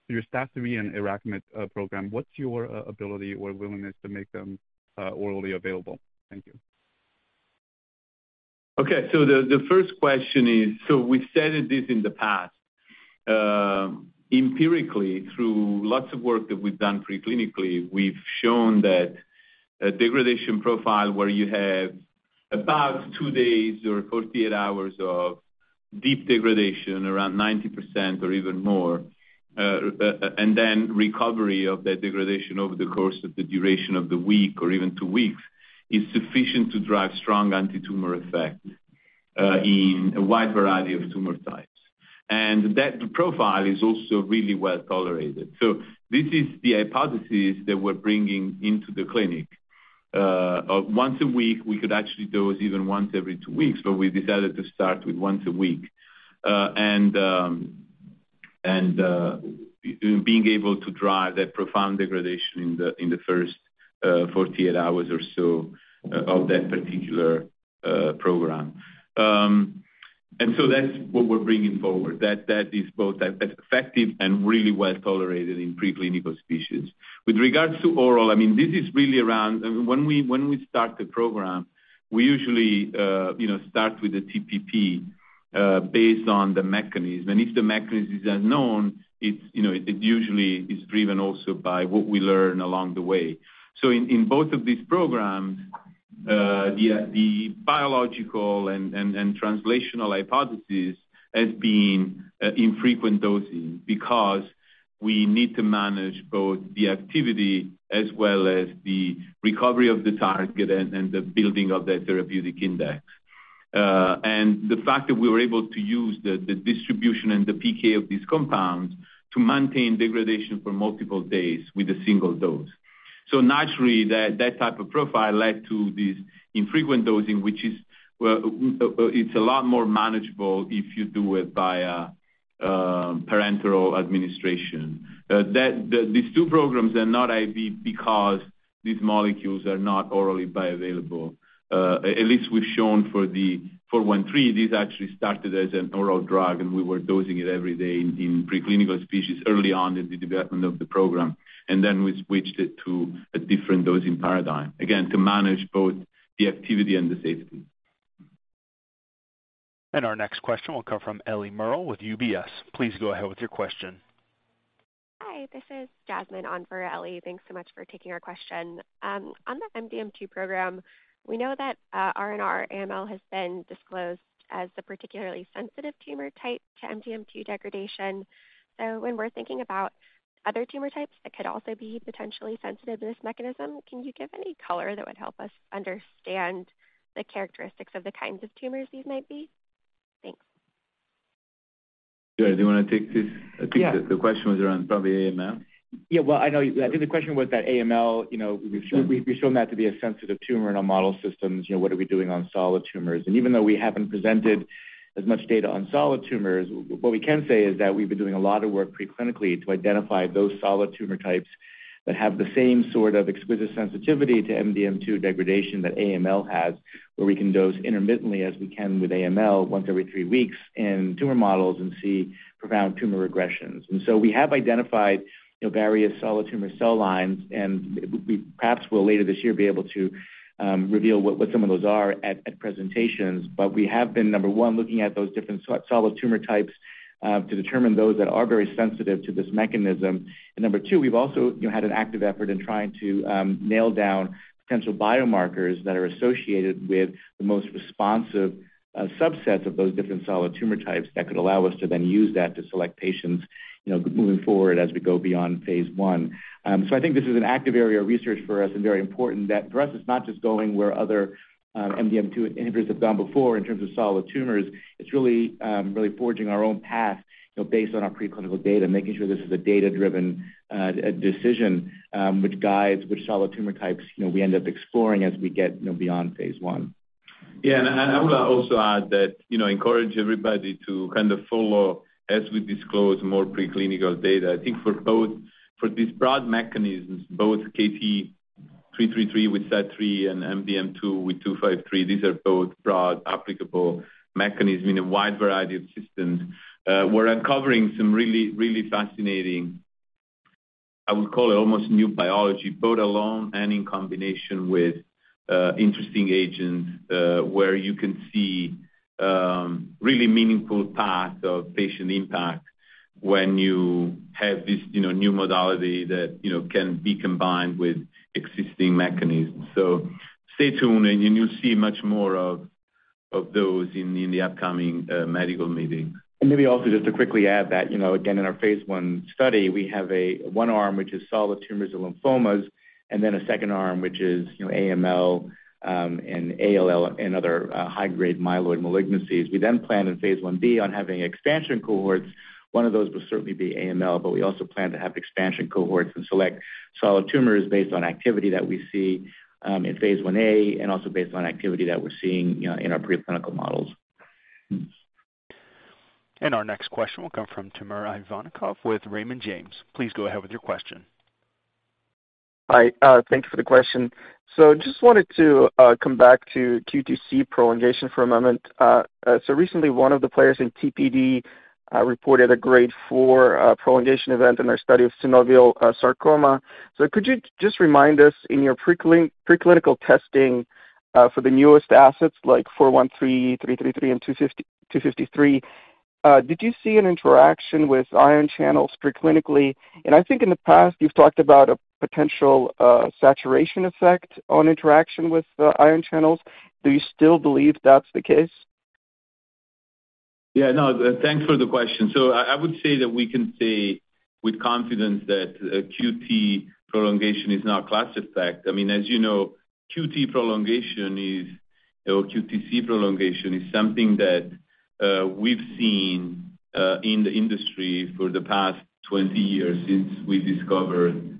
your STAT3 and IRAKIMiD program, what's your ability or willingness to make them orally available? Thank you. Okay. The first question is. We've said this in the past, empirically through lots of work that we've done pre-clinically, we've shown that a degradation profile where you have about two days or 48 hours of deep degradation, around 90% or even more, and then recovery of that degradation over the course of the duration of the week or even two weeks, is sufficient to drive strong anti-tumor effect in a wide variety of tumor types. That profile is also really well-tolerated. This is the hypothesis that we're bringing into the clinic. Once a week, we could actually dose even once every two weeks, but we decided to start with once a week. Being able to drive that profound degradation in the first 48 hours or so of that particular program. That's what we're bringing forward. That is both effective and really well-tolerated in preclinical species. With regards to oral, I mean, this is really around. When we start the program, we usually, you know, start with a TPP based on the mechanism. If the mechanism is unknown, it's, you know, it usually is driven also by what we learn along the way. In both of these programs, the biological and translational hypothesis has been infrequent dosing because we need to manage both the activity as well as the recovery of the target and the building of that therapeutic index. The fact that we were able to use the distribution and the PK of these compounds to maintain degradation for multiple days with a single dose. Naturally, that type of profile led to this infrequent dosing, which is, well, it's a lot more manageable if you do it via parenteral administration. These two programs are not IV because these molecules are not orally bioavailable. At least we've shown for the 413, this actually started as an oral drug, and we were dosing it every day in preclinical species early on in the development of the program. Then we switched it to a different dosing paradigm, again, to manage both the activity and the safety. Our next question will come from Ellie Murrell with UBS. Please go ahead with your question. Hi, this is Jasmine on for Ellie. Thanks so much for taking our question. On the MDM2 program, we know that R/R AML has been disclosed as a particularly sensitive tumor type to MDM2 degradation. When we're thinking about other tumor types that could also be potentially sensitive to this mechanism, can you give any color that would help us understand the characteristics of the kinds of tumors these might be? Thanks. Sure. Do you wanna take this? Yeah. I think the question was around probably AML. Yeah. Well, I know. I think the question was that AML, you know, we've shown that to be a sensitive tumor in our model systems, you know, what are we doing on solid tumors? Even though we haven't presented as much data on solid tumors, what we can say is that we've been doing a lot of work pre-clinically to identify those solid tumor types that have the same sort of exquisite sensitivity to MDM2 degradation that AML has, where we can dose intermittently, as we can with AML once every 3 weeks in tumor models and see profound tumor regressions. We have identified, you know, various solid tumor cell lines, and we perhaps will later this year be able to reveal what some of those are at presentations. We have been, number 1, looking at those different so-solid tumor types, to determine those that are very sensitive to this mechanism. Number 2, we've also, you know, had an active effort in trying to nail down potential biomarkers that are associated with the most responsive, subsets of those different solid tumor types that could allow us to then use that to select patients, you know, moving forward as we go beyond phase I. I think this is an active area of research for us and very important that for us, it's not just going where other, MDM2 inhibitors have gone before in terms of solid tumors. It's really forging our own path, you know, based on our preclinical data, making sure this is a data-driven decision, which guides which solid tumor types, you know, we end up exploring as we get, you know, beyond phase I. Yeah. I wanna also add that, you know, encourage everybody to kind of follow as we disclose more preclinical data. I think for these broad mechanisms, both KT-333 with STAT3 and MDM2 with KT-253, these are both broad applicable mechanism in a wide variety of systems. We're uncovering some really, really fascinating, I would call it almost new biology, both alone and in combination with interesting agents, where you can see really meaningful path of patient impact when you have this, you know, new modality that, you know, can be combined with existing mechanisms. Stay tuned and you'll see much more of those in the upcoming medical meeting. Maybe also just to quickly add that, you know, again, in our phase I study, we have a one arm which is solid tumors and lymphomas, and then a second arm which is, you know, AML, and ALL, and other, high-grade myeloid malignancies. We plan phase I-B on having expansion cohorts. One of those will certainly be AML, but we also plan to have expansion cohorts and select solid tumors based on activity that we see, phase I-A and also based on activity that we're seeing, you know, in our preclinical models. Our next question will come from Timur Ivannikov with Raymond James. Please go ahead with your question. Hi, thank you for the question. Just wanted to come back to QTc prolongation for a moment. Recently one of the players in TPD reported a grade 4 prolongation event in their study of synovial sarcoma. Could you just remind us in your preclinical testing for the newest assets like 413, 333, and 253, did you see an interaction with ion channels preclinically? I think in the past you've talked about a potential saturation effect on interaction with the ion channels. Do you still believe that's the case? Yeah, no, thanks for the question. I would say that we can say with confidence that QT prolongation is not class effect. I mean, as you know, QT prolongation is, or QTc prolongation is something that we've seen in the industry for the past 20 years since we discovered.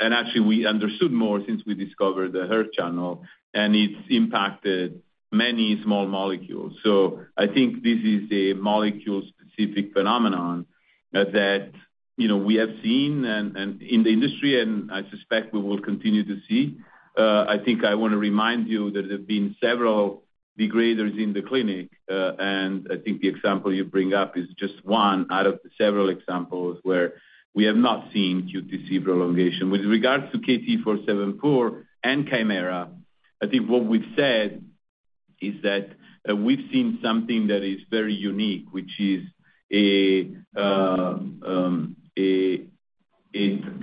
Actually we understood more since we discovered the hERG channel, and it's impacted many small molecules. I think this is a molecule-specific phenomenon that, you know, we have seen and in the industry, and I suspect we will continue to see. I think I wanna remind you that there have been several degraders in the clinic. I think the example you bring up is just one out of several examples where we have not seen QTc prolongation. With regards to KT-474 and Kymera, I think what we've said is that we've seen something that is very unique, which is a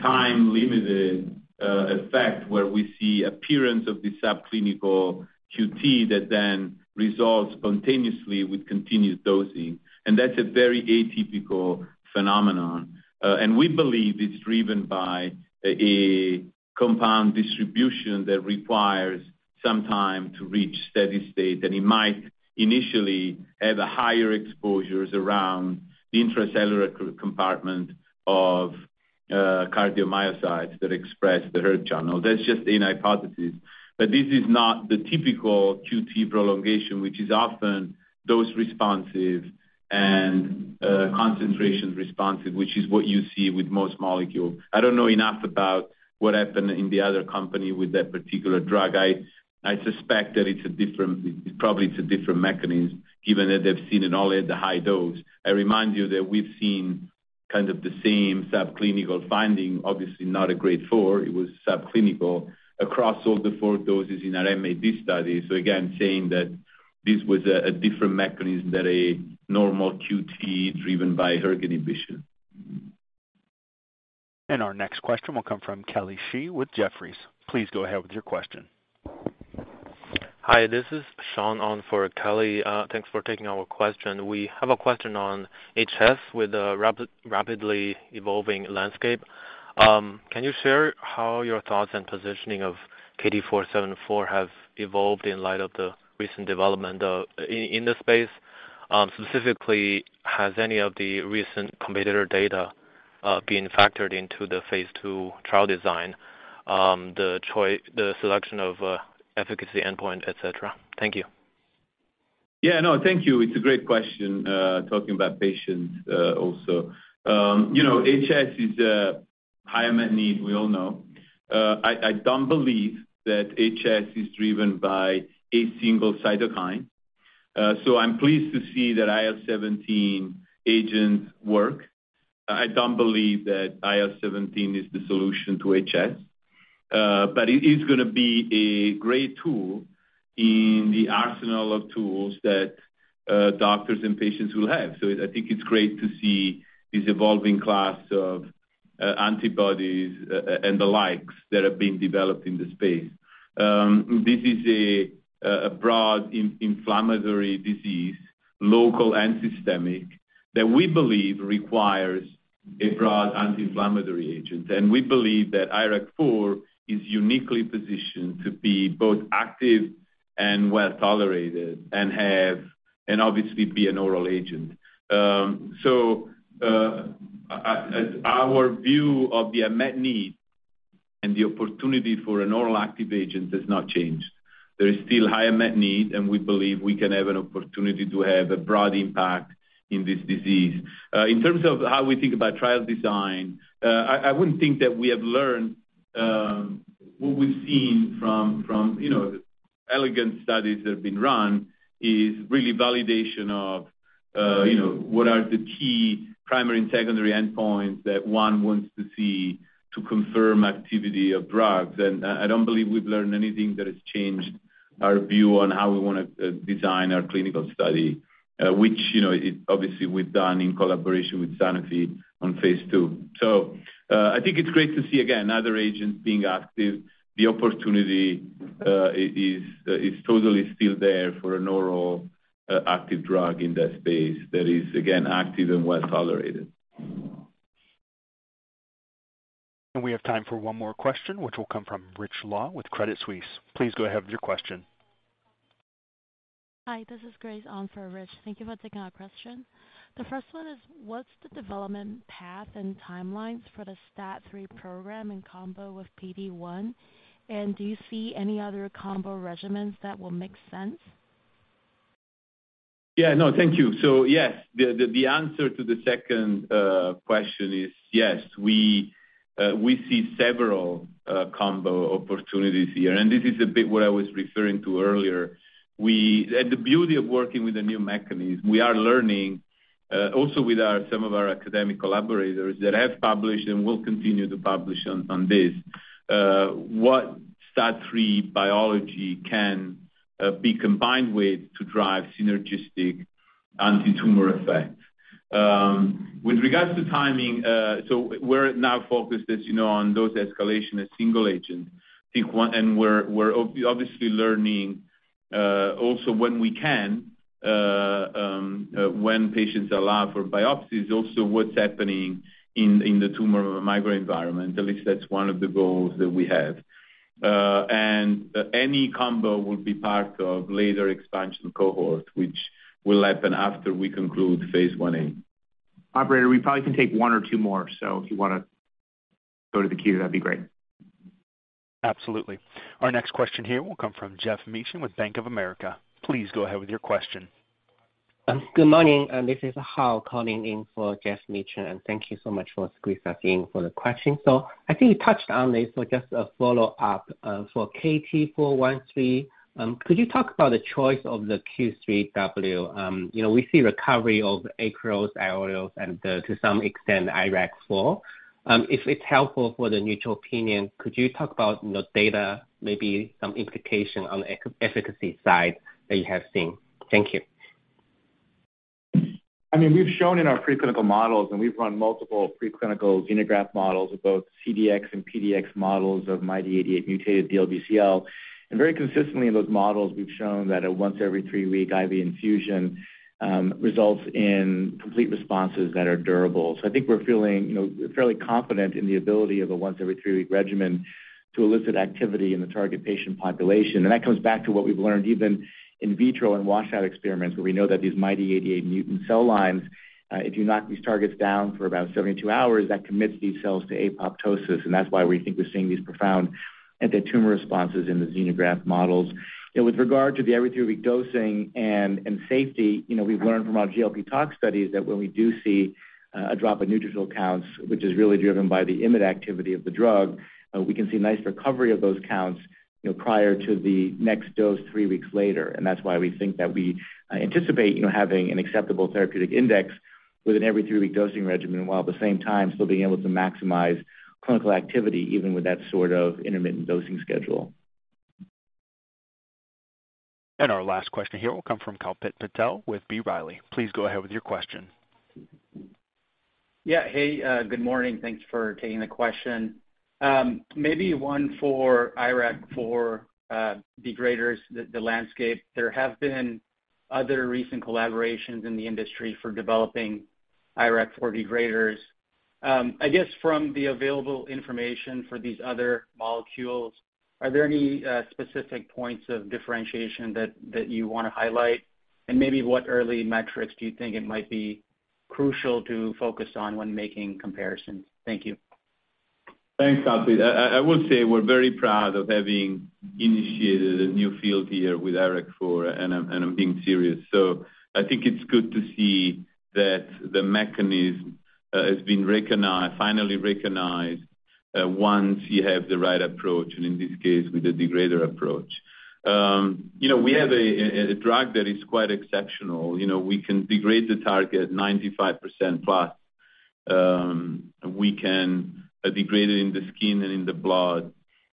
time-limited effect, where we see appearance of the subclinical QT that then resolves spontaneously with continued dosing. That's a very atypical phenomenon. We believe it's driven by a compound distribution that requires some time to reach steady state. It might initially have a higher exposures around the intracellular compartment of cardiomyocytes that express the hERG channel. That's just an hypothesis. This is not the typical QT prolongation, which is often dose responsive and concentration responsive, which is what you see with most molecule. I don't know enough about what happened in the other company with that particular drug. I suspect that it probably it's a different mechanism given that they've seen it all at the high dose. I remind you that we've seen kind of the same subclinical finding, obviously not a grade four, it was subclinical across all the four doses in our MAD study. Again saying that this was a different mechanism than a normal QT driven by hERG inhibition. Our next question will come from Kelly Shi with Jefferies. Please go ahead with your question. Hi, this is Sean on for Kelly. Thanks for taking our question. We have a question on HS with a rapidly evolving landscape. Can you share how your thoughts and positioning of KT-474 have evolved in light of the recent development in this space? Specifically, has any of the recent competitor data been factored into the phase II trial design? The selection of efficacy endpoint, et cetera? Thank you. Yeah, no, thank you. It's a great question. Talking about patients, also. You know, HS is a high unmet need, we all know. I don't believe that HS is driven by a single cytokine. I'm pleased to see that IL-17 agents work. I don't believe that IL-17 is the solution to HS. It is gonna be a great tool in the arsenal of tools that doctors and patients will have. I think it's great to see this evolving class of antibodies and the likes that are being developed in the space. This is a broad inflammatory disease, local and systemic, that we believe requires a broad anti-inflammatory agent. We believe that IRAK4 is uniquely positioned to be both active and well-tolerated and obviously be an oral agent. Our view of the unmet need and the opportunity for an oral active agent has not changed. There is still high unmet need, and we believe we can have an opportunity to have a broad impact in this disease. In terms of how we think about trial design, I wouldn't think that we have learned, what we've seen from, you know, elegant studies that have been run is really validation of, you know, what are the key primary and secondary endpoints that one wants to see to confirm activity of drugs. I don't believe we've learned anything that has changed our view on how we wanna design our clinical study, which, you know, obviously we've done in collaboration with Sanofi on phase II. I think it's great to see again other agents being active. The opportunity is totally still there for an oral, active drug in that space that is, again, active and well-tolerated. We have time for one more question, which will come from Richard Law with Credit Suisse. Please go ahead with your question. Hi, this is Grace on for Rich. Thank you for taking our question. The first one is what's the development path and timelines for the STAT3 program in combo with PD-1? Do you see any other combo regimens that will make sense? Yeah, no. Thank you. Yes, the answer to the second question is yes, we see several combo opportunities here. This is a bit what I was referring to earlier. The beauty of working with a new mechanism, we are learning also with our, some of our academic collaborators that have published and will continue to publish on this, what STAT3 biology can be combined with to drive synergistic antitumor effect. With regards to timing, we're now focused, as you know, on dose escalation as single agent. We're obviously learning also when we can, when patients allow for biopsies, also what's happening in the tumor microenvironment. At least that's one of the goals that we have. Any combo will be part of later expansion cohort, which will happen after we conclude phase I-A. Operator, we probably can take one or two more. If you wanna go to the queue, that'd be great. Absolutely. Our next question here will come from Geoff Meacham with Bank of America. Please go ahead with your question. Good morning. This is [Hal] calling in for Geoff Meacham. Thank you so much for squeezing us in for the question. I think you touched on this, so just a follow-up. For KT-413, could you talk about the choice of the Q3W? You know, we see recovery of Ikaros, Aiolos, and to some extent, IRAK4. If it's helpful for the [neutropenia], could you talk about the data, maybe some implication on efficacy side that you have seen? Thank you. I mean, we've shown in our preclinical models, we've run multiple preclinical xenograft models of both CDX and PDX models of MYD88-mutated DLBCL. Very consistently in those models, we've shown that a once every three-week IV infusion results in complete responses that are durable. I think we're feeling, you know, fairly confident in the ability of a once every three-week regimen to elicit activity in the target patient population. That comes back to what we've learned even in vitro and washout experiments, where we know that these MYD88 mutant cell lines, if you knock these targets down for about 72 hours, that commits these cells to apoptosis. That's why we think we're seeing these profound anti-tumor responses in the xenograft models. With regard to the every 3-week dosing and safety, you know, we've learned from our GLP toxicology studies that when we do see a drop in neutrophil counts, which is really driven by the IMiD activity of the drug, we can see nice recovery of those counts, you know, prior to the next dose 3 weeks later. That's why we think that we anticipate, you know, having an acceptable therapeutic index with an every 3-week dosing regimen, while at the same time still being able to maximize clinical activity, even with that sort of intermittent dosing schedule. Our last question here will come from Kalpit Patel with B. Riley. Please go ahead with your question. Yeah. Hey, good morning. Thanks for taking the question. Maybe one for IRAK4 degraders, the landscape. There have been other recent collaborations in the industry for developing IRAK4 degraders. I guess from the available information for these other molecules, are there any specific points of differentiation that you wanna highlight? Maybe what early metrics do you think it might be crucial to focus on when making comparisons? Thank you. Thanks, Kalpit. I will say we're very proud of having initiated a new field here with IRAK4, and I'm being serious. I think it's good to see that the mechanism has been recognized, finally recognized, once you have the right approach, and in this case, with a degrader approach. You know, we have a drug that is quite exceptional. You know, we can degrade the target 95% plus. We can degrade it in the skin and in the blood.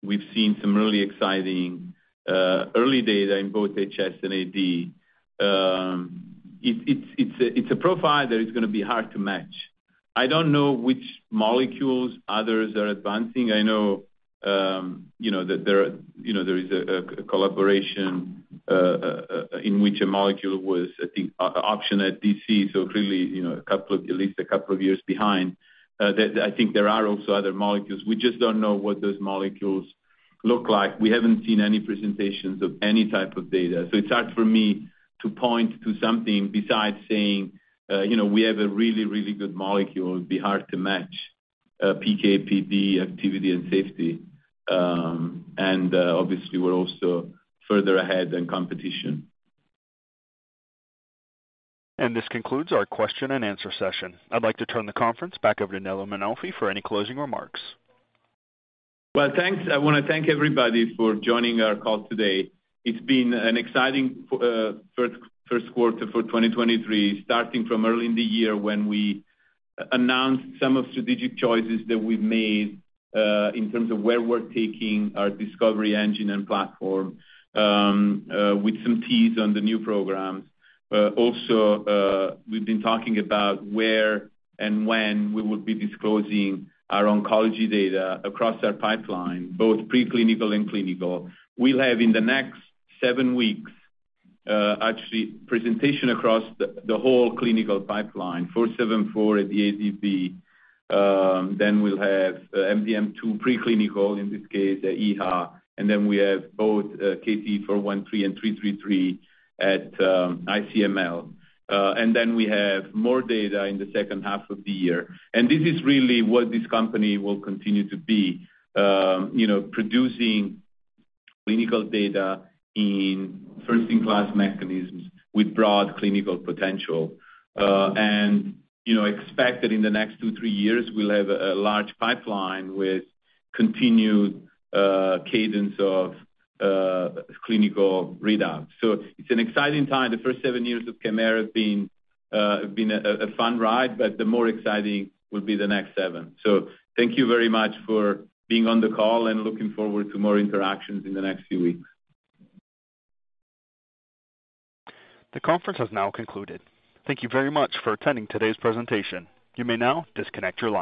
We've seen some really exciting early data in both HS and AD. It's a profile that is gonna be hard to match. I don't know which molecules others are advancing. I know, you know, that there are, you know, there is a collaboration in which a molecule was, I think, option at DC. Clearly, you know, a couple of, at least a couple of years behind. I think there are also other molecules. We just don't know what those molecules look like. We haven't seen any presentations of any type of data. It's hard for me to point to something besides saying, you know, we have a really, really good molecule. It'd be hard to match PK/PD activity and safety. And, obviously, we're also further ahead than competition. This concludes our question and answer session. I'd like to turn the conference back over to Nello Mainolfi for any closing remarks. Well, thanks. I want to thank everybody for joining our call today. It's been an exciting first quarter for 2023, starting from early in the year when we announced some of strategic choices that we've made in terms of where we're taking our discovery engine and platform with some tease on the new programs. Also, we've been talking about where and when we will be disclosing our oncology data across our pipeline, both preclinical and clinical. We'll have in the next 7 weeks, actually presentation across the whole clinical pipeline, 474 at the AD. We'll have MDM2 preclinical, in this case at EHA. We have both KT-413 and 333 at ICML. We have more data in the second half of the year. This is really what this company will continue to be, you know, producing clinical data in first in class mechanisms with broad clinical potential. You know, expect that in the next 2, 3 years, we'll have a large pipeline with continued cadence of clinical readouts. It's an exciting time. The first 7 years of Kymera have been a fun ride, but the more exciting will be the next 7. Thank you very much for being on the call, and looking forward to more interactions in the next few weeks. The conference has now concluded. Thank you very much for attending today's presentation. You may now disconnect your line.